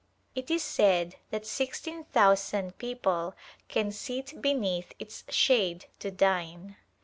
It is said that sixteen thousand people can sit beneath its shade to dine.